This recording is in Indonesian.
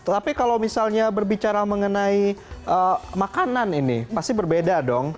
tapi kalau misalnya berbicara mengenai makanan ini pasti berbeda dong